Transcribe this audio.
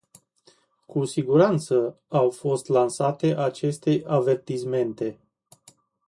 Cu siguranță au fost lansate aceste avertismente.